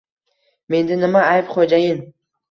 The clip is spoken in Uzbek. Menda nima ayb, xo`jayin